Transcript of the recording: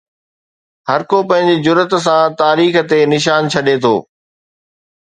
هر ڪو پنهنجي جرئت سان تاريخ تي نشان ڇڏي ٿو.